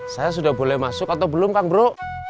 saya sudah boleh masuk atau belum kang bro